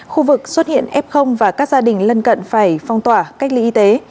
khu vực xuất hiện f và các gia đình lân cận phải phong tỏa cách ly y tế